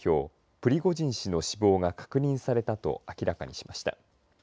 プリゴジン氏の死亡が確認されたと明らかにしました。